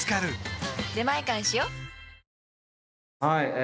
はい。